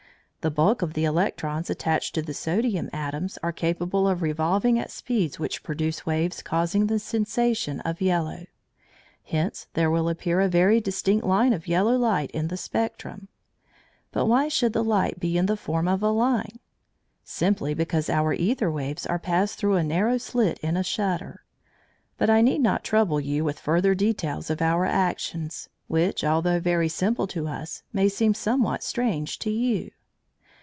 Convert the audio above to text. The bulk of the electrons attached to the sodium atoms are capable of revolving at speeds which produce waves causing the sensation of yellow. Hence there will appear a very distinct line of yellow light in the spectrum. But why should the light be in the form of a line? Simply because our æther waves are passed through a narrow slit in a shutter. But I need not trouble you with further details of our actions, which, although very simple to us, may seem somewhat strange to you.